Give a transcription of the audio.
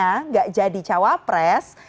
tidak jadi cawapres